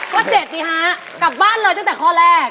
ข้อ๗นี่ฮะกลับบ้านเลยตั้งแต่ข้อแรก